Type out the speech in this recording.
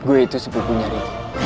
gue itu sepupunya regi